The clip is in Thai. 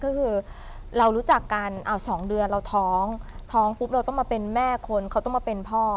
ก็คือเรารู้จักกัน๒เดือนเราท้องท้องปุ๊บเราต้องมาเป็นแม่คนเขาต้องมาเป็นพ่อ